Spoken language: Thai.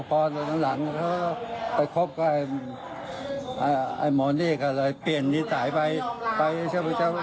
ความสร้างร่วมคือ